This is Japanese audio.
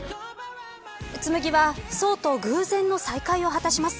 紬は想と偶然の再会を果たします。